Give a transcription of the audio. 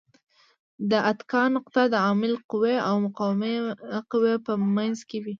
د اتکا نقطه د عامل قوې او مقاومې قوې په منځ کې وي.